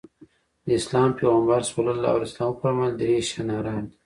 د اسلام پيغمبر ص وفرمايل درې شيان حرام دي.